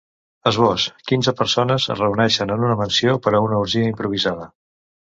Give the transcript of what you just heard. Esbós: Quinze persones es reuneixen en una mansió per a una orgia improvisada.